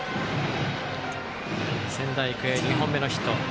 仙台育英、２本目のヒット。